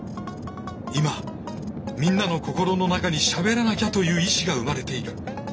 今みんなの心の中に「しゃべらなきゃ！」という意志が生まれている。